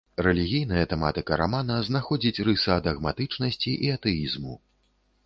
Рэлігійная тэматыка рамана знаходзіць рысы адагматычнасці і атэізму.